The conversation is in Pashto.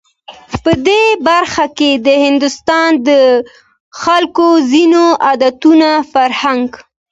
په دې برخه کې د هندوستان د خلکو ځینو عادتونو، فرهنک